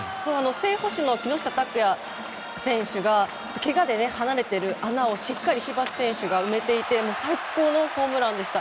正捕手の木下拓哉選手がけがで離れている穴をしっかり石橋選手が埋めていて最高のホームランでした。